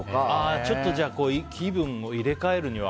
ちょっと気分を入れ替えるには。